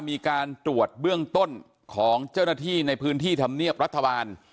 มีการตรวจเบื้องต้นของเจ้าหน้าที่ในพื้นที่ธรรมเนียบรัฐบาล